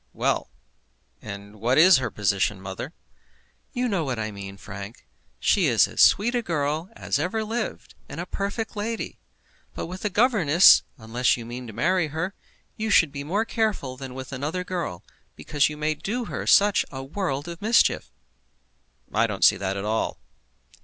Well; and what is her position mother?" "You know what I mean, Frank. She is as sweet a girl as ever lived, and a perfect lady. But with a governess, unless you mean to marry her, you should be more careful than with another girl, because you may do her such a world of mischief." "I don't see that at all."